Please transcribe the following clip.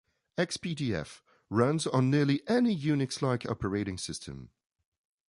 Xpdf runs on nearly any Unix-like operating system.